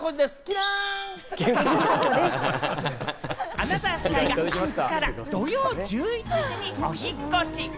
『アナザースカイ』があすから土曜夜１１時にお引っ越し。